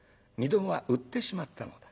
どもは売ってしまったのだ。